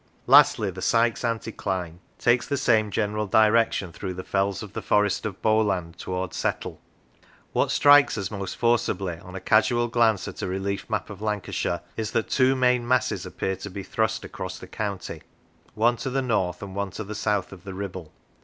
Lastly the Sykes anticline takes the same 27 Lancashire general direction through the fells of the Forest of Bowland towards Settle. What strikes us most forcibly on a casual glance at a relief map of Lancashire, is that two main masses appear to be thrust across the county, one to the north and one to the south of the Kibble.